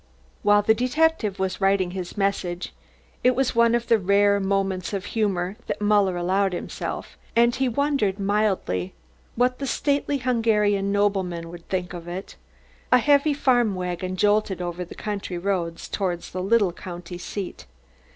While the detective was writing his message it was one of the rare moments of humour that Muller allowed himself, and he wondered mildly what the stately Hungarian nobleman would think of it a heavy farm wagon jolted over the country roads towards the little county seat.